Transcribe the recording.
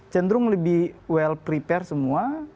cenderung lebih well prepare semua